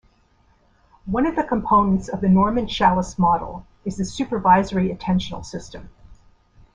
One of the components of the Norman-Shallice model is the supervisory attentional system.